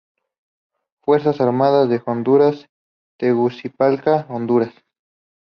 Fuerzas Armadas de Honduras, Tegucigalpa, Honduras.